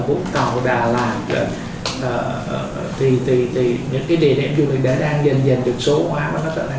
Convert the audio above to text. vũ tàu đà lạt thì những cái địa điểm du lịch đã đang dần dần được số hóa và nó trở thành một bản